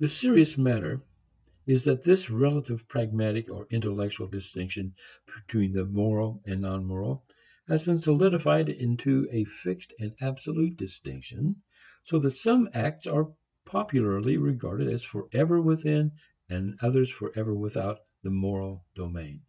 The serious matter is that this relative pragmatic, or intellectual, distinction between the moral and non moral, has been solidified into a fixed and absolute distinction, so that some acts are popularly regarded as forever within and others forever without the moral domain.